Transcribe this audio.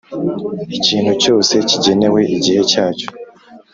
Icyintu cyose kigenewe igihe cyacyo